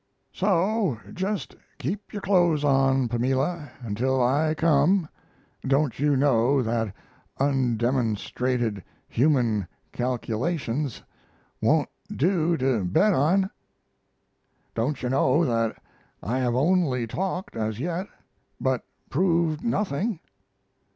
So, just keep your clothes on, Pamela, until I come. Don't you know that undemonstrated human calculations won't do to bet on? Don't you know that I have only talked, as yet, but proved nothing?